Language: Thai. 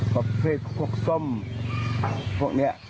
กับเทศพวกส้มพวกนี้